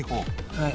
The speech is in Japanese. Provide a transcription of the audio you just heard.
はい。